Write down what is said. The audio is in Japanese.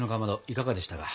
いかがでしたか？